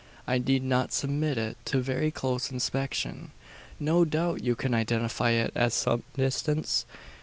I need not submit it to very close inspection. No doubt you can identify it at some distance?"